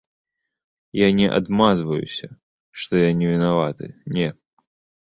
Я не адмазваюся, што я не вінаваты, не.